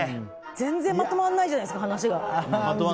全然まとまらないじゃないですか話が。